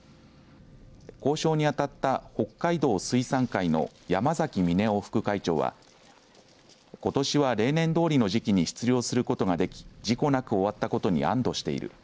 交渉に当たった北海道水産会の山崎峰男副会長はことしは例年どおりの時期に出漁することができ事故なく終わったことに安どしている。